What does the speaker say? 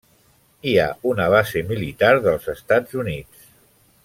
Hi ha una base militar dels Estats Units.